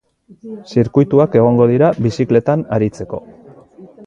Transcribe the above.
Zirkuituak egongo dira bizikletan aritzeko.